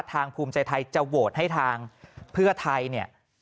ภูมิใจไทยจะโหวตให้ทางเพื่อไทยเนี่ย